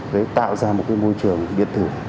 để tạo ra một môi trường điện tử